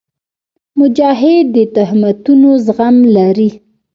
مجاهد د تهمتونو زغم لري.